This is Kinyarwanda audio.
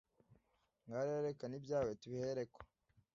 ngaho rero erekana ibyawe tubihereko